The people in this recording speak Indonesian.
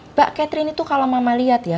mbak catherine itu kalau mama lihat ya